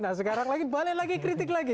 nah sekarang lagi balik lagi kritik lagi